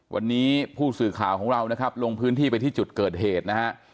วันนี้ผู้สื่อข่าวของเรานะครับลงพื้นที่ไปที่จุดเกิดเหตุนะฮะ